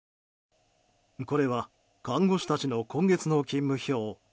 これは、看護師たちの今月の勤務表。